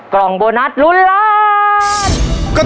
กล่องโบนัสลุ้นล้าน